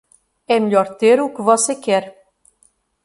É melhor ter o que você quer.